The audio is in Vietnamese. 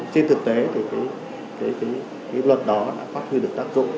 trên thực tế thì cái luật đó đã phát huy được tác dụng